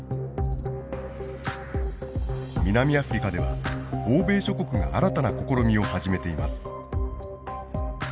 南アフリカでは欧米諸国が新たな試みを始めています。